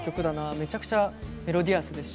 めちゃくちゃメロディアスですし。